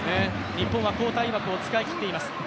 日本は交代枠を使い切っています。